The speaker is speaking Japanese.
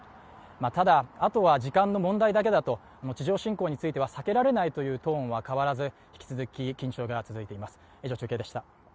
ただ、あとは時間の問題だけだと地上侵攻については避けられないというトーンは変わらず、引き続き、緊張が続いています。